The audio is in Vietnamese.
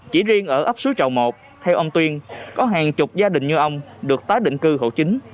chỉ riêng ở ấp suối trào một theo ông tuyên có hàng chục gia đình như ông được tái định cư hậu chính